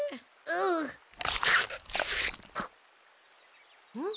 うん。